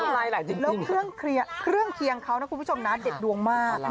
แล้วเครื่องเคียงเขานะคุณผู้ชมนะเด็ดดวงมาก